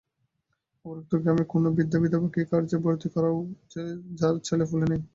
অথবা উক্ত গ্রামের কোন বৃদ্ধা বিধবাকে এ কার্যে ব্রতী করাও, যাঁর ছেলেপুলে নাই।